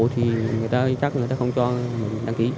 thì người ta chắc người ta không cho đăng ký